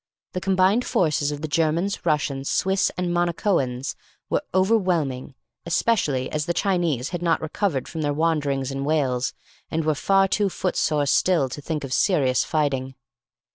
The combined forces of the Germans, Russians, Swiss, and Monacoans were overwhelming, especially as the Chinese had not recovered from their wanderings in Wales and were far too footsore still to think of serious fighting.